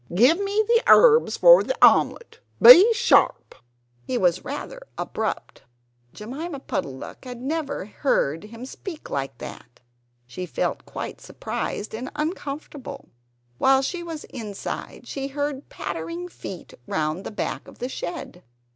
Give me the herbs for the omelet. Be sharp!" He was rather abrupt. Jemima Puddle duck had never heard him speak like that. She felt surprised and uncomfortable. While she was inside she heard pattering feet round the back of the shed.